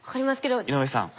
井上さん